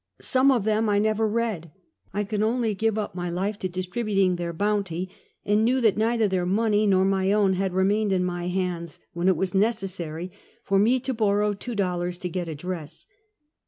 Some of them I never read. I could only give up my life to distrib uting their bounty, and knew that neither their money nor my own had remained in my hands when it was necessary for me to borrow two dollars to get a dress.